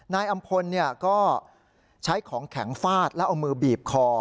นายอำพลก็ใช้ของแข็งฟาดแล้วเอามือบีบคอ